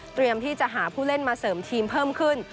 ที่จะหาผู้เล่นมาเสริมทีมเพิ่มขึ้น